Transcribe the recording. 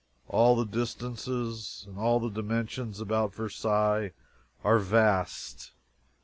All the distances and all the dimensions about Versailles are vast.